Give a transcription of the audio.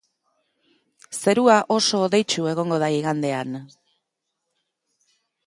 Zerua oso hodeitsu egongo da igandean.